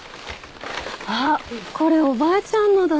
あっこれおばあちゃんのだ。